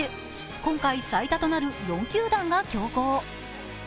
今回、最多となる４球団が競合。